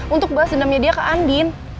untuk bahas dendamnya dia ke andin